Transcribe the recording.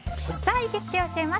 行きつけ教えます！